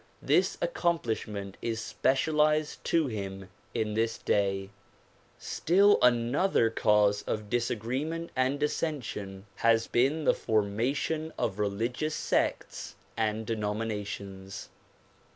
This accomplishment is specialized to him in this day. Still another cause of disagreement and dissension has been the DISCOURSES DELIVERED IN NEW YORK 227 formation of religious sects and denominations.